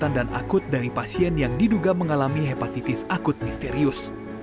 tidak ada yang terlalu takut dari pasien yang diduga mengalami hepatitis akut misterius